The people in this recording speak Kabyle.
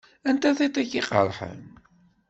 Anta tiṭ i k-iqerḥen?